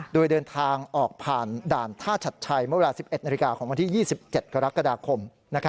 โดยเดินทางออกผ่านด่านท่าชัดชัยเมื่อเวลา๑๑นาฬิกาของวันที่๒๗กรกฎาคม